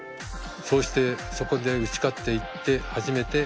そうしてそこで打ち勝っていって初めて仲間に入れる。